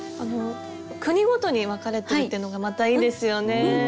国ごとに分かれてるっていうのがまたいいですよね。